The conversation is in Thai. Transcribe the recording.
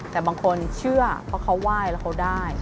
แต่บางคนเชื่อเพราะเขาไหว้แล้วเขาได้